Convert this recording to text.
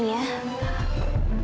aksan akan mewakili keluarga kami